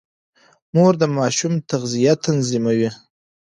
مور د ماشوم تغذيه تنظيموي.